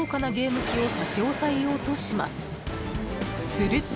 ［すると］